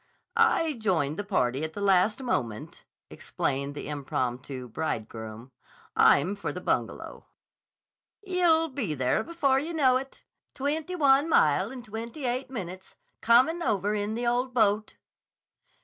"I joined the party at the last moment," explained the impromptu bridegroom. "I'm for the Bungalow." "Ye'll be there before ye know it. Twenty one mile in twenty eight minutes, comin' over in the ole boat."